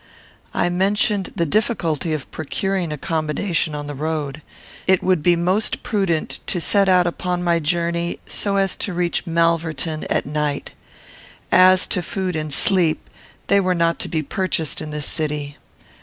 I mentioned the difficulty of procuring accommodation on the road. It would be most prudent to set out upon my journey so as to reach Malverton at night. As to food and sleep, they were not to be purchased in this city.